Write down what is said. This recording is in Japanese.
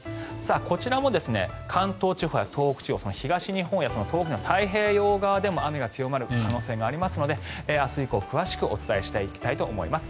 こちらも関東地方や東北地方東日本や東北の太平洋側でも雨が強まる可能性がありますので明日以降詳しくお伝えしていきたいと思います。